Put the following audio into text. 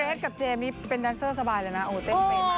คือเกรกกับเจมส์นี่เป็นแดนเซอร์สบายแล้วน่ะโอ้โหเต้นเฟย์มาก